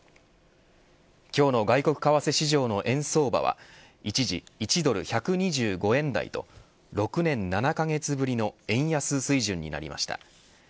今日の外国為替市場の円相場は一時１ドル１２５円台と６年７カ月ぶりの円安水準となりました。